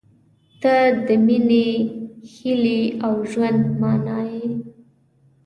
• ته د مینې، هیلې، او ژوند معنی یې.